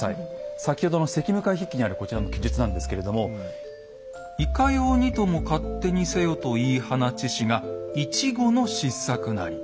先ほどの「昔夢会筆記」にあるこちらの記述なんですけれども「『いかようにとも勝手にせよ』と言い放ちしが一期の失策なり」。